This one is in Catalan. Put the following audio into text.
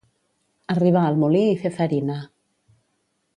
Arribar al molí i fer farina.